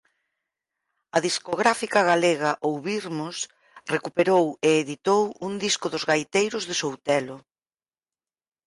A discográfica galega Ouvirmos recuperou e editou un disco dos gaiteiros de Soutelo.